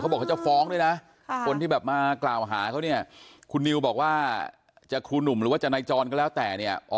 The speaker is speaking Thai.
บอกเขาจะฟ้องด้วยนะคนที่แบบมากล่าวหาเขาเนี่ยคุณนิวบอกว่าจะครูหนุ่มหรือว่าจะนายจรก็แล้วแต่เนี่ย